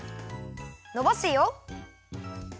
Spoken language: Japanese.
のばすよ。